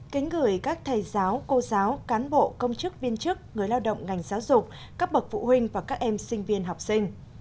kính gửi các thầy giáo cô giáo cán bộ công chức viên chức người lao động ngành giáo dục các bậc phụ huynh và các em sinh viên học sinh